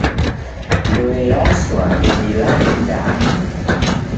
Ndoe yaswa ndedilale danu.